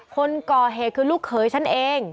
คนก่อเหตุคือลูกเขยฉันเอง